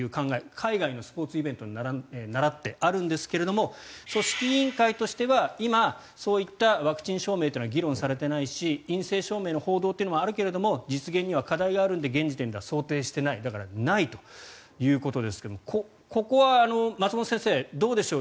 海外のスポーツイベントに倣ってあるんですけれども組織委員会としては今、そういったワクチン証明というのは議論されてないし陰性証明の報道もあるけど実現には課題があるので現時点では想定していないだから、ないということですがここは松本先生、どうでしょう。